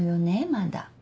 まだ。